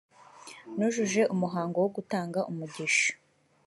nujuje umuhango wo gutanga umugisha.